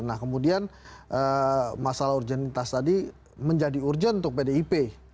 nah kemudian masalah urgenitas tadi menjadi urgent untuk pdip